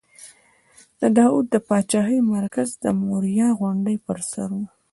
د داود د پاچاهۍ مرکز د موریا غونډۍ پر سر و.